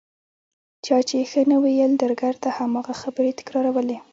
چا چې ښه نه ویل درګرده هماغه خبرې تکرارولې.